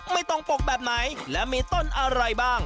ไม่ต้องปกแบบไหนและมีต้นอะไรบ้าง